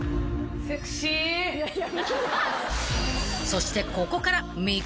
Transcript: ［そしてここから未公開］